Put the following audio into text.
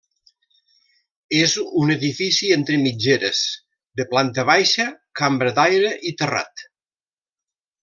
És un edifici entre mitgeres, de planta baixa, cambra d'aire i terrat.